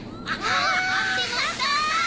待ってました！